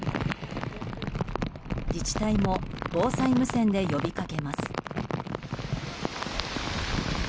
自治体も防災無線で呼びかけます。